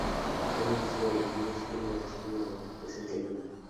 Fue Ministro de Minas y Energía de Brasil en el gobierno del Presidente Lula.